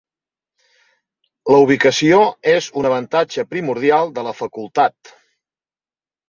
La ubicació és un avantatge primordial de la Facultat.